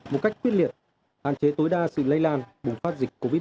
một cách quyết liệt hạn chế tối đa sự lây lan bùng phát dịch